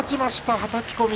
はたき込み。